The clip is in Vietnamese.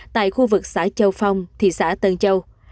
tại khu vực xã châu phong thị xã tân châu